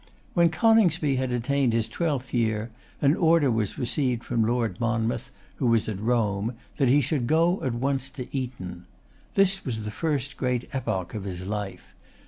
When Coningsby had attained his twelfth year, an order was received from Lord Monmouth, who was at Rome, that he should go at once to Eton. This was the first great epoch of his life.